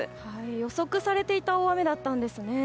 予測されていた大雨だったんですね。